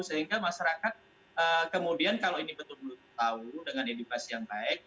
sehingga masyarakat kemudian kalau ini betul betul tahu dengan edukasi yang baik